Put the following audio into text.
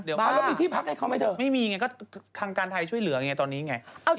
เดี๋ยวมาแล้วมีที่พักให้เขาไหมเถอะไม่มีไงก็ทางการไทยช่วยเหลือไงตอนนี้ไง